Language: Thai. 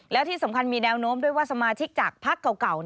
แล้วที่สำคัญมีแนวโน้มด้วยว่าสมาชิกจากพักเก่า